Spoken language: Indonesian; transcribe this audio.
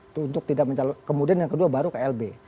itu untuk tidak mencalonkan kemudian yang kedua baru klb